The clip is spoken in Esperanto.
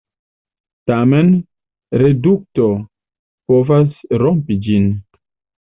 Tamen, redukto povas rompi ĝin.